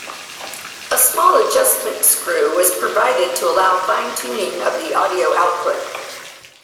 A small adjustment screw was provided, to allow fine tuning of the audio output.